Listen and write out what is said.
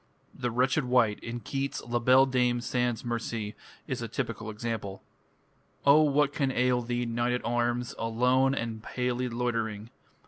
The "wretched wight" in Keats' "La Belle Dame Sans Merci" is a typical example. O what can ail thee, knight at arms, Alone and palely loitering?